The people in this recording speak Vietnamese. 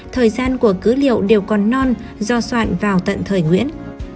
thời gian của cứ liệu đều còn non do soạn vào tận thời nguyễn